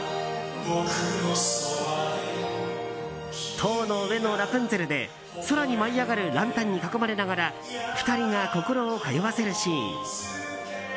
「塔の上のラプンツェル」で空に舞い上がるランタンに囲まれながら２人が心を通わせるシーン。